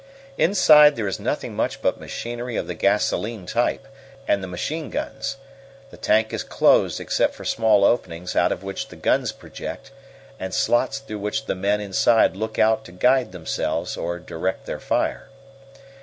Inside there is nothing much but machinery of the gasolene type, and the machine guns. The tank is closed except for small openings out of which the guns project, and slots through which the men inside look out to guide themselves or direct their fire.